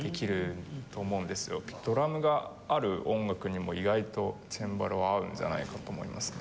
ドラムがある音楽にも意外とチェンバロは合うんじゃないかと思いますね。